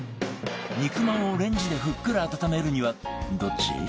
肉まんをレンジでふっくら温めるにはどっち？